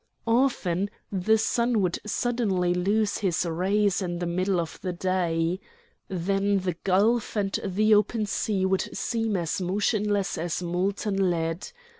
Often the sun would suddenly lose his rays in the middle of the day. Then the gulf and the open sea would seem as motionless as molten lead.